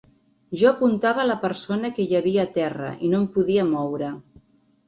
Jo apuntava la persona que hi havia a terra i no em podia moure.